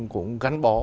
cũng gắn bó